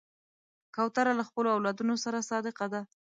کوتره له خپلو اولادونو سره صادقه ده.